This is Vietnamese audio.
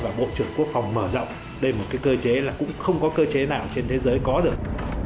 và bộ trưởng quốc phòng mở rộng đây là một cái cơ chế là cũng không có cơ chế nào trên thế giới có được